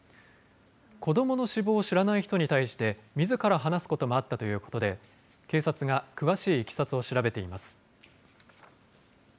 子どもの死亡を知らない人に対して、みずから話すこともあったということで、警察が詳しいいきさつを調べています。